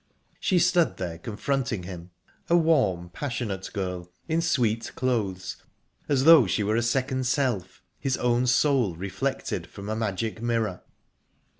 She stood there, confronting him a warm, passionate girl, in sweet clothes as though she were a second self, his own soul reflected from a magic mirror.